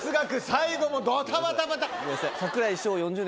最後もドタバタバタ。